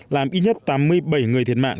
làm ít nhất tám mươi bảy người thiệt mạng